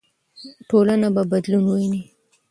ټولنه به بدلون وویني.